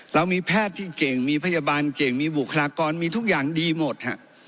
เรามีแพทย์ที่เก่งมีพยาบาลเก่งมีบุคลากรมีทุกอย่างดีหมด